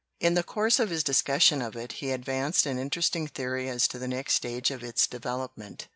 In the course of his discussion of it he advanced an interesting theory as to the next stage of its development.